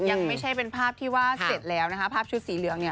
ยังไม่ใช่เป็นภาพที่ว่าเสร็จแล้วนะคะภาพชุดสีเหลืองเนี่ย